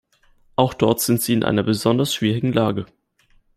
Auch dort sind Sie in einer besonders schwierigen Lage.